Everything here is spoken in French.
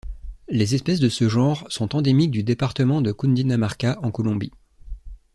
Les espèces de ce genre sont endémiques du département de Cundinamarca en Colombie.